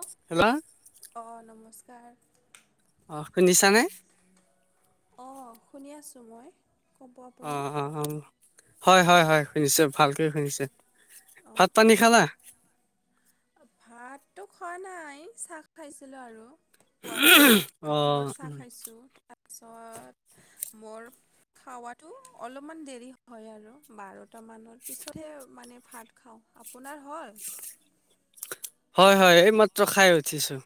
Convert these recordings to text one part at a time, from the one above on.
অ [unintelligible] hello? অ', নমস্কাৰ। অ', শুনিছানে? অ', শুনি আছোঁ মই। ক'ব আপুনি অ', অ', অ', হয়-হয়-হয়, শুনিছোঁ ভালকে শুনিছোঁ। অঁ ভাত পানী খালা? ভাতটো খোৱা নাই, চাহ খাইছিলোঁ আৰু। পোৱাতে, অ গাখীৰৰ চাহ খাইছোঁ তাৰপিছত মোৰ খাৱাতো অলপমান দেৰি হয় আৰু বাৰটা মানৰ পিছতহে মানে ভাত খাওঁ। আপোনাৰ হ'ল? হয়-হয়, এইমাত্ৰ খাই উঠিছোঁ।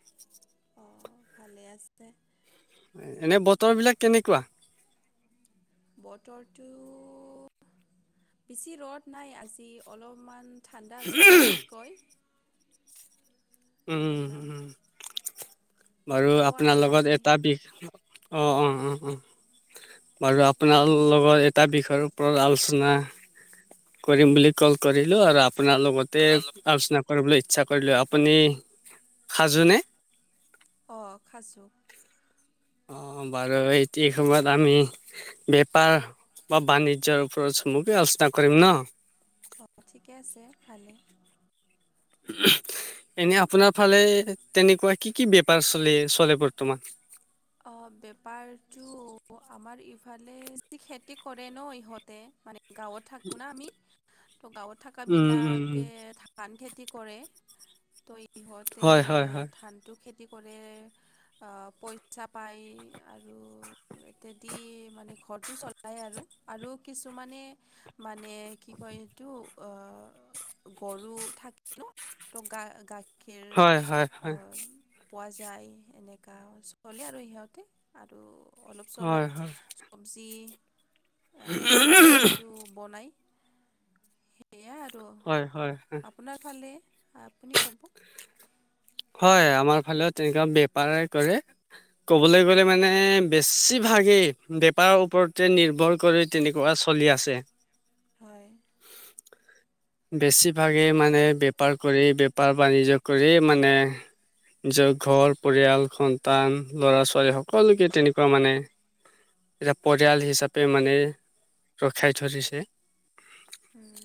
অ', ভালে আছে তে। এনে বতৰবিলাক কেনেকুৱা? বতৰটো বেছি ৰ'দ নাই আজি অলপমান ঠাণ্ডা আৰু কালিতকৈ। উম এনেকা হুম, বাৰু বতাহো আপোনাৰ আছে লগত এটা আজি বিষ অ', অ', অ', অ'। বাৰু আপোনাৰ লগত এটা বিষয়ৰ ওপৰত আলোচনা কৰিম বুলি ক'ল কৰিলোঁ আৰু আপোনাৰ লগতে আলোচনা কৰিবলৈ ইচ্ছা কৰিলোঁ, আপুনি সাজুনে? অ', খাজু। অ', বাৰু এইটি সময়ত আমি বেপাৰ বা বাণিজ্যৰ ওপৰত চমুকে আলোচনা কৰিম ন? অ', ঠিকে আছে ভালে। এনে আপোনাৰ ফালে তেনেকুৱা কি-কি বেপাৰ চলে-চলে বৰ্তমান? অ', বেপাৰটো আমাৰ ইফালে খেতি কৰে ন ইহঁতে? মানে গাঁৱত থাকোঁ না আমি, ত' গাঁৱত উম, উম, উম, থাকাবিলাকে ধান খেতি কৰে। ত ইহঁতে হয়, হয়, হয়, ধান টো খেতি কৰে আ পইছা পই আৰু ইত্যাদি মানে ঘৰটো চলাই আৰু। আৰু কিছুমানে মানে কি কয় এইটো অ গৰু থাকিল ন? তো গা গাখীৰ হয়, হয়, অ হয়, পোৱা যায় এনেকা চলে আৰু সিহঁতে আৰু অলপ হয়, চলপ হয়। চবজি আ এইবিলাকটো বনাই। সেয়া আৰু হয়, হয়, হয়, আপোনাৰ ফালে, আপুনি ক'ব? হয় আমাৰ ফালেও তেনেকুৱা বেপৰে কৰে। ক'বলৈ গ'লে উম, মানে বেছিভাগেই বেপাৰৰ ওপৰতে নিৰ্ভৰ কৰি তেনেকুৱা চলি আছে। হয়। বেছিভাগেই মানে বেপাৰ কৰি বেপাৰ বাণিজ্য কৰি মানে নিজৰ ঘৰ পৰিয়াল সন্তান ল'ৰা ছোৱালী সকলোকে তেনেকুৱা মানে এতিয়া পৰিয়াল হিচাপে মানে ৰখাই ধৰিছে। উম।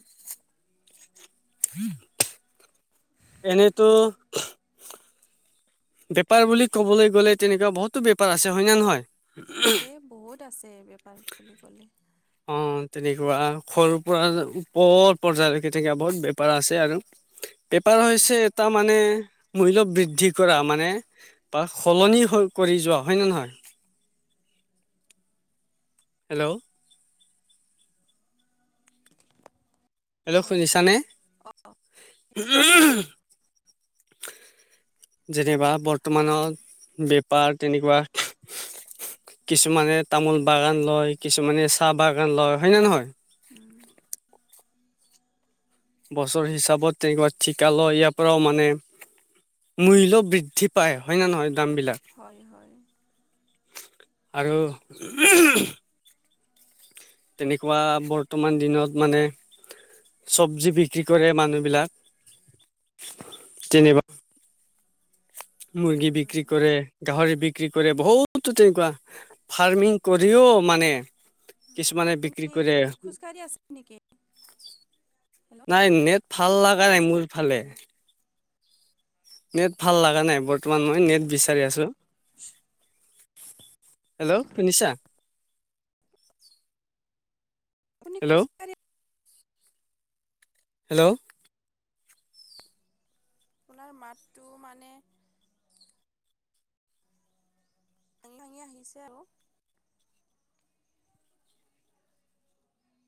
[unintelligible] এনেইতো বেপাৰ বুলি ক'বলৈ গ'লে তেনেকুৱা বহুতো বেপাৰ আছে হয় না নহয়? আছে বহুত আছে বেপাৰ বুলি ক'লে। অ', তেনেকুৱা সৰুৰ পৰা ওপৰত পৰ্যালৈকে তেনেকা বহুত বেপাৰ আছে আৰু। বেপাৰ হৈছে এটা মানে মূল্য বৃদ্ধি কৰা মানে বা সলনি হৈ কৰি যোৱা, হয় নে নহয়? হেল্ল'? হেল্ল' অঁ শুনিছনে? অঁ যেনেবা হেল্ল' বৰ্তমানৰ বেপাৰ তেনেকুৱা। কিছুমানে তামোল বাগান লয়, কিছুমানে চাহ বাগান লয়, হয় নে নহয়? উম, বছৰ হিচাপত তেনেকুৱা ঠিকা লয় ইয়াৰ পৰাও মানে মূল্যৰ বৃদ্ধি পাই, হয় না নহয় দাম বিলাক? হয় হয় আৰু [unintelligible] তেনেকুৱা বৰ্তমান দিনত মানে চবজি বিক্ৰী কৰে মানুহ বিলাক, যেনিবা মুৰ্গী বিক্ৰী উম, কৰে গাহৰি বিক্ৰী কৰে বহুতো তেনেকুৱা ফাৰ্মিং কৰিও মানে কিছুমানে বিক্ৰী আপুনি কৰে। খোজকাঢ়ি আছে নেকি? হেল্ল' নাই নেট ভাল লগা খোজকাঢ়ি নাই আছে মোৰ নেকি ফালে। আপুনি? নেট ভাল লগা নাই বৰ্তমান মই নেট বিচাৰি আছোঁ। হেল্ল', শুনিছা? আপুনি হেল্ল' খুচকাৰে হেল্ল'? আপোনাৰ মাতটো মানে ভাঙি-ভাঙি আহিছে আৰু।